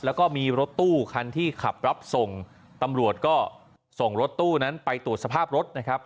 แล้วก็มีรถตู้คันที่ขับรับส่งตำรวจก็ส่งรถตู้นั้นไปตรวจสภาพรถนะครับ